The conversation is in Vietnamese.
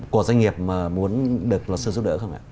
của doanh nghiệp mà muốn được luật sư giúp đỡ không ạ